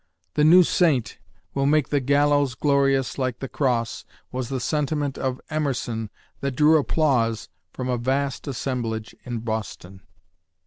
"The new Saint ... will make the gallows glorious like the Cross" was the sentiment of Emerson that drew applause from a vast assemblage in Boston.